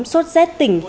chống xuất z tỉnh